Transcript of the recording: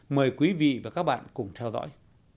mời quý vị và các bạn cùng theo dõi